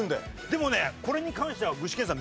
でもねこれに関しては具志堅さん